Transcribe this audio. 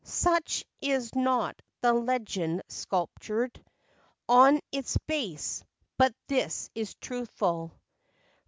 Such is not the legend sculptured On its base ; but this is truthful.